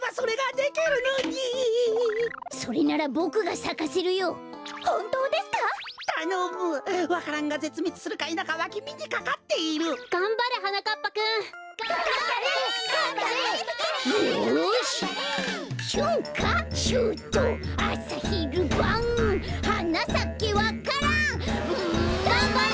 がんばれ！